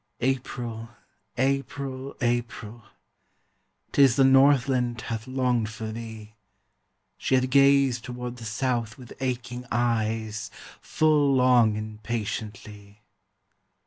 April! April! April! 'Tis the Northland hath longed for thee, She hath gazed toward the South with aching eyes Full long and patiently.